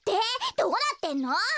どうなってんの？